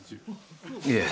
いえ。